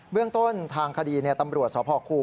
เรื่องต้นทางคดีตำรวจสพคู